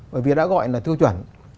bởi vì nó đã gọi là tiêu chuẩn